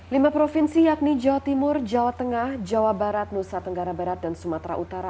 lima provinsi yakni jawa timur jawa tengah jawa barat nusa tenggara barat dan sumatera utara